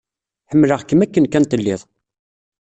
Ḥemmleɣ-kem akken kan telliḍ.